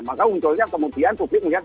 maka munculnya kemudian publik melihat